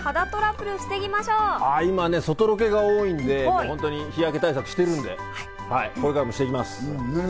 今、外ロケが多いんで日焼け対策してるんで、これからもしていきます。